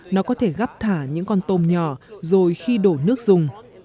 nó có thể gắp thả những con tôm nhỏ rồi khi đổ nước dùng